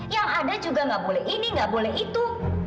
yang ada juga gak boleh ini gak boleh itu